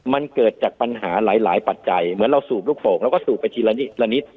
มันเกิดจากปัญหาหลายปัจจัยเหมือนเราสูบลูกโป่งเราก็สูบไปทีละนิด